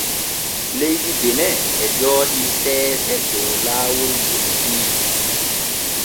Leydi Benin jooɗi seese dow laawol politiiki.